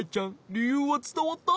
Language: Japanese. りゆうはつたわった？